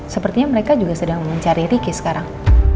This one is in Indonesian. sepertinya mereka juga sedang mencari ricky sekarang